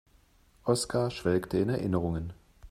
Oskar schwelgte in Erinnerungen.